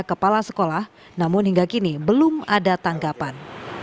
kepala sekolah namun hingga kini belum ada tanggapan